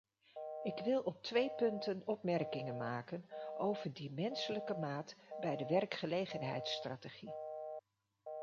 Ik wil op twee punten opmerkingen maken over die menselijke maat bij de werkgelegenheidsstrategie.